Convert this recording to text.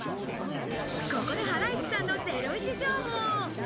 ここでハライチさんのゼロイチ情報。